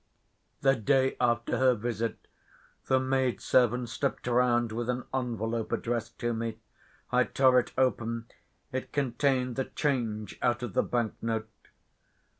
The day after her visit the maid‐servant slipped round with an envelope addressed to me. I tore it open: it contained the change out of the banknote.